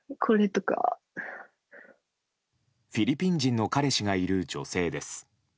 フィリピン人の彼氏がいる女性です。